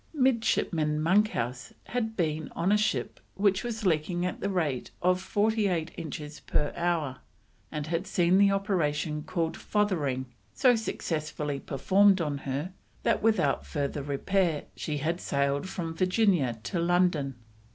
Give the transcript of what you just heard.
Midshipman Monkhouse had been on a ship which was leaking at the rate of forty eight inches per hour, and had seen the operation called "fothering" so successfully performed on her, that, without further repair, she had sailed from Virginia to London.